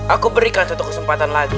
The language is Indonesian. aku berikan satu kesempatan lagi